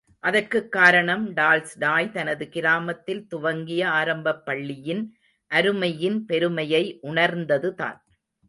அதற்குக் காரணம், டால்ஸ்டாய் தனது கிராமத்தில் துவங்கிய ஆரம்பப் பள்ளியின் அருமையின் பெருமையை உணர்ந்ததுதான்.